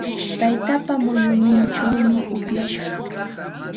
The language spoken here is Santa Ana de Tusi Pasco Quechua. Taytaapa muyunninchaw upyashaq.